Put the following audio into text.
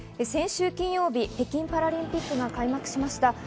先週金曜日、北京パラリンピックが開幕しました。